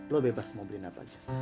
lu bebas mau beliin apa aja